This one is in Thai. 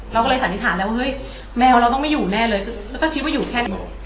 เราก็เลยสันนิษฐานแล้วว่าเฮ้ยแมวเราต้องไม่อยู่แน่เลยแล้วก็คิดว่าอยู่แค่นี้